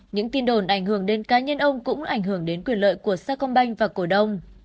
những tin đồn ảnh hưởng đến cá nhân ông cũng ảnh hưởng đến quyền lợi của sa công banh và cổ đông